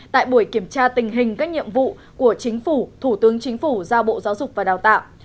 tại buổi kiểm tra tình hình các nhiệm vụ của chính phủ thủ tướng chính phủ giao bộ giáo dục và đào tạo